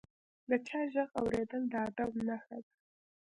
د چا ږغ اورېدل د ادب نښه ده.